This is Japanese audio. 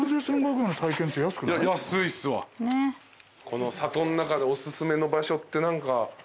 この里ん中でおすすめの場所って何か。